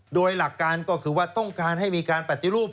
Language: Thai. โดยหลักการก็คือว่าต้องการให้มีการปฏิรูป